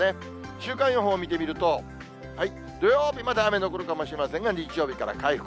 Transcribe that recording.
週間予報見てみると、土曜日まで雨残るかもしれませんが、日曜日から回復。